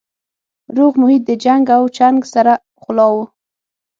روغ محیط و جنګ او چنګ سره پخلا وو